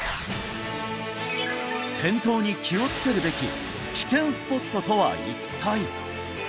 転倒に気をつけるべき危険スポットとは一体？